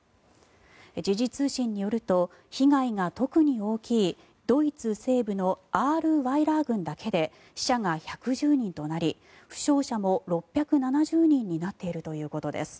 時事通信によると被害が特に大きいドイツ西部のアールワイラー郡だけで死者が１１０人となり負傷者も６７０人になっているということです。